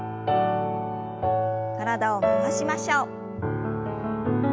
体を回しましょう。